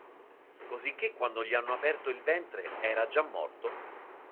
Cosicché, quando gli hanno aperto il ventre era già morto?